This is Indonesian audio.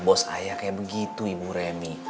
bos ayah kayak begitu ibu remi